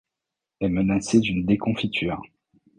Est menacé d’une déconfiture...